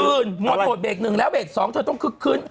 ตื่นหมดโหดเบรกหนึ่งแล้วเบรกสองเธอต้องคึกคืน